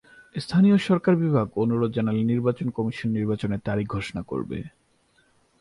স্থানীয় সরকার বিভাগ অনুরোধ জানালে নির্বাচন কমিশন নির্বাচনের তারিখ ঘোষণা করবে।